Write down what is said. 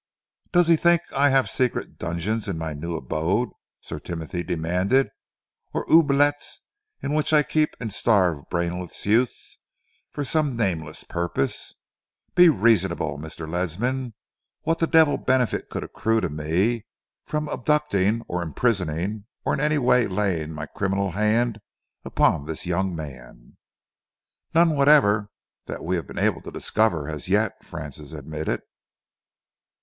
"Does he think I have secret dungeons in my new abode," Sir Timothy demanded, "or oubliettes in which I keep and starve brainless youths for some nameless purpose? Be reasonable, Mr. Ledsam. What the devil benefit could accrue to me from abducting or imprisoning or in any way laying my criminal hand upon this young man?" "None whatever that we have been able to discover as yet," Francis admitted.